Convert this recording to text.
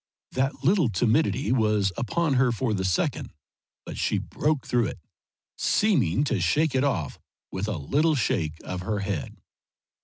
That little timidity was upon her for the second, but she broke through it, seeming to shake it off with a little shake of her head.